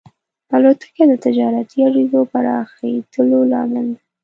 الوتکه د تجارتي اړیکو پراخېدلو لامل ده.